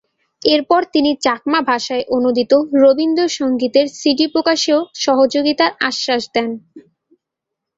এরপর তিনি চাকমা ভাষায় অনূদিত রবীন্দ্রসংগীতের সিডি প্রকাশেও সহযোগিতার আশ্বাস দেন।